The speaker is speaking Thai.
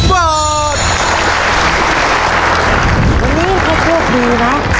วันนี้เขาเลือกดีนะ